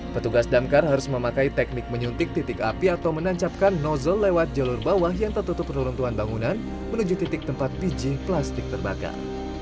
petugas damkar harus memakai teknik menyuntik titik api atau menancapkan nozzle lewat jalur bawah yang tertutup reruntuhan bangunan menuju titik tempat biji plastik terbakar